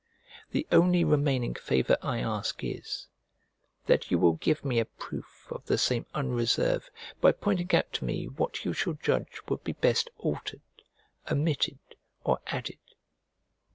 The only remaining favour I ask is, that you will give me a proof of the same unreserve by pointing out to me what you shall judge would be best altered, omitted, or added.